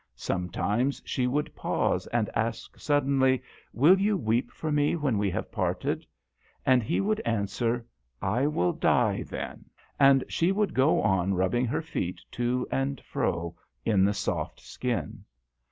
Sometimes she would pause and ask sud denly, " Will you weep for me when we have parted ?" and he would answer, " I will die then ;" and she would go on rubbing her feet to and fro in the soft skin.